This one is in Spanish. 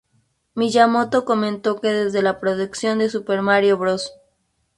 Miyamoto comentó que desde la producción de "Super Mario Bros.